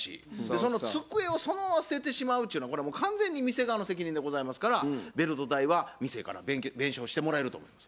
その机をそのまま捨ててしまうっちゅうのはこれはもう完全に店側の責任でございますからベルト代は店から弁償してもらえると思います。